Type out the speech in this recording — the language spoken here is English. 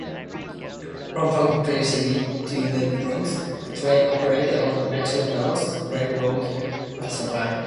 From Poughkeepsie to the Bronx, the train operates on Metro-North Railroad's Hudson Line.